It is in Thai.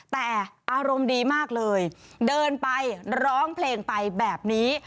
แต่อารมณ์ดีมากเลยเดินไปร้องเพลงไปแบบนี้